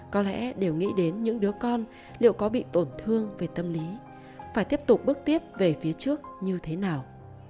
có lẽ đều nghĩ đến những đứa con liệu có bị tổn thương về tâm lý phải tiếp tục bước tiếp về phía trước như thế nào